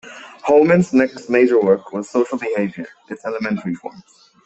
Homans's next major work was "Social Behavior: Its Elementary Forms".